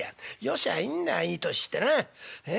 よしゃいいんだいい年してな。え？